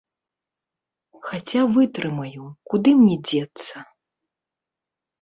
Хаця вытрымаю, куды мне дзецца?